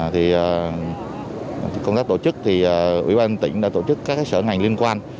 thì công tác tổ chức thì ủy ban tỉnh đã tổ chức các sở ngành liên quan